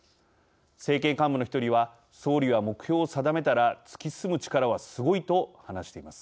政権幹部の１人は総理は目標を定めたら突き進む力はすごいと話しています。